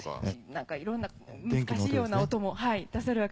何かいろんな難しいような音も出せるわけですか。